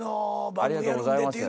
ありがとうございます。